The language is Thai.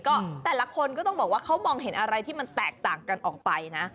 ก็แต่ละคนก็ต้องบอกว่าเขามองเห็นอะไรที่มันแตกต่างกันออกไปนะ